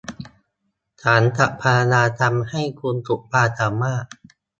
ฉันจะพยายามทำให้คุณสุดความสามารถ